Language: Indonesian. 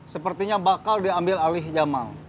sepertinya bakal diambil alih yamal